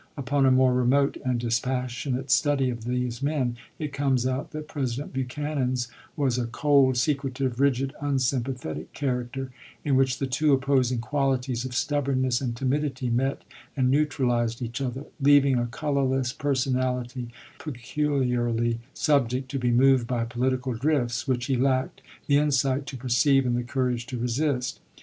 Upon a more remote and dispassionate study of these men, it comes out that President Buchanan's was a cold, secretive, rigid, unsympathetic character, in which the two opposing qualities of stubbornness and timidity met and neutralized each other ; leaving a colorless personality peculiarly subject to be moved by political drifts, which he lacked the insight to perceive and the courage to resist.